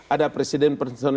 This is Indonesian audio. ada presiden personalisasi